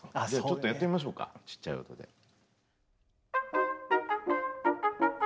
じゃあちょっとやってみましょうかちっちゃい音で。